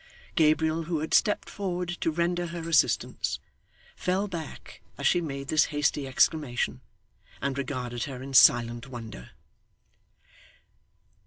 Gabriel, who had stepped forward to render her assistance, fell back as she made this hasty exclamation, and regarded her in silent wonder.